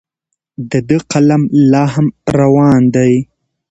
د ده قلم لا هم روان دی.